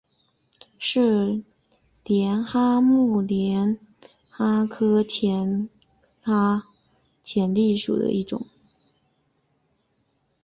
是帘蛤目帘蛤科浅蜊属的一种。